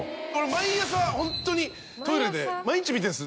毎朝ホントにトイレで毎日見てるんです。